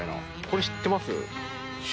これ知ってます？